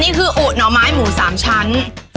อันนี้คืออุ๋หน่อไม้หมูสามชั้น